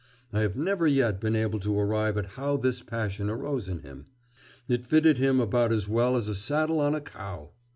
I have never yet been able to arrive at how this passion arose in him! It fitted him about as well as a saddle on a cow.